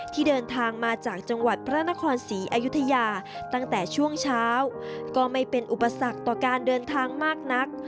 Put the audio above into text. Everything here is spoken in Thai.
ที่เดินทางมาจากจังหวัดพระนครศรีอยุธยาตั้งแต่ช่วงเช้าก็ไม่เป็นอุปสรรคต่อการเดินทางมากนัก